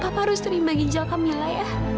papa harus terima ginjal kamila ya